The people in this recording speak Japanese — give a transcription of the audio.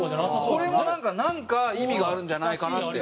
これもなんか意味があるんじゃないかなって。